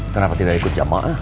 kenapa tidak ikut jamak